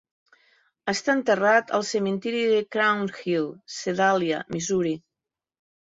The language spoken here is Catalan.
Està enterrat al cementiri de Crown Hill, Sedalia, Missouri.